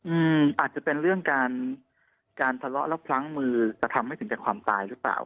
อาจจะเป็นเรื่องการการทะเลาะแล้วพลั้งมือจะทำให้ถึงแก่ความตายหรือเปล่า